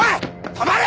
止まれ！